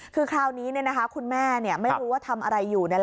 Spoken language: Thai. คือคราวนี้คุณแม่ไม่รู้ว่าทำอะไรอยู่